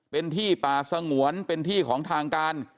เป็นที่ป่าสงวนเป็นที่ของทางการ